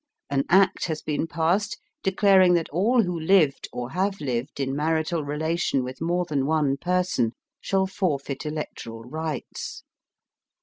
An Act has been passed declaring that all who lived or have lived in marital relation with more than one person, shall forfeit electoral rights.